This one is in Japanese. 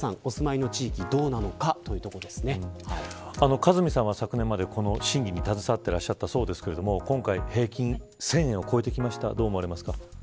鹿住さんは昨年までこの審議に携わっていらっしゃったそうですが今回、平均１０００円を超えてきました。